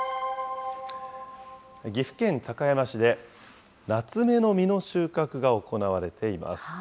岐阜県高山市で、ナツメの実の収穫が行われています。